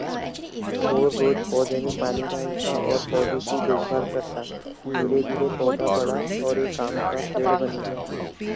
Keith's first, most popular, and most widely distributed beer is its India Pale Ale.